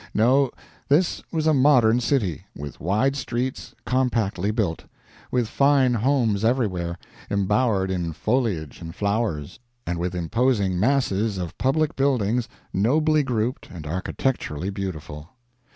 No, this was a modern city, with wide streets, compactly built; with fine homes everywhere, embowered in foliage and flowers, and with imposing masses of public buildings nobly grouped and architecturally beautiful.